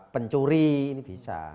pencuri ini bisa